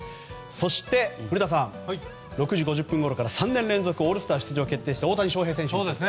そして、６時５０分ごろから３年連続オールスター出場決定した大谷翔平選手。